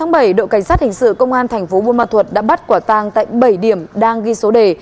ngày bốn bảy đội cảnh sát hình sự công an tp buôn ma thuật đã bắt quả tang tại bảy điểm đang ghi số đề